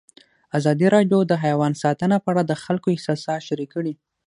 ازادي راډیو د حیوان ساتنه په اړه د خلکو احساسات شریک کړي.